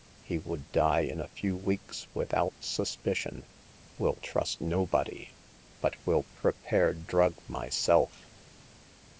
He would die in a few weeks without suspicion. Will trust nobody, but will prepare drug myself."